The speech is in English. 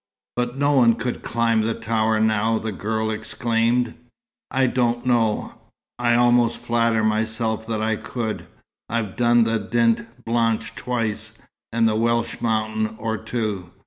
"But no one could climb the tower now!" the girl exclaimed. "I don't know. I almost flatter myself that I could. I've done the Dent Blanche twice, and a Welsh mountain or two.